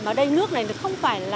mà ở đây nước này nó không phải là